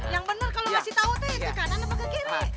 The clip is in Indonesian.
yang bener kalau ngasih tau tuh itu kanan apa ke kiri